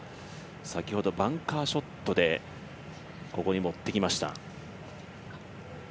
先ほどバンカーショットでここに持ってきました。